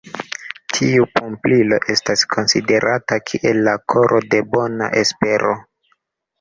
Tiu pumpilo estas konsiderata kiel la koro de Bona Espero.